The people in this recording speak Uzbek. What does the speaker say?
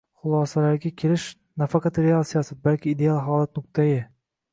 xulosalarga kelish - nafaqat real siyosat, balki “ideal holat” nuqtai